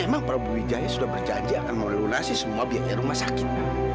memang prabu wijaya sudah berjanji akan melunasi semua biaya rumah sakit